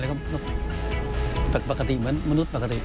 แล้วก็ปกติเหมือนมนุษย์ปกติ